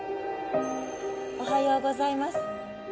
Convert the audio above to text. おはようございます。